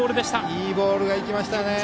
いいボールがいきましたね。